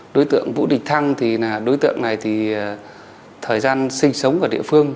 đối tượng vũ địch thăng thì là đối tượng này thì thời gian sinh sống ở địa phương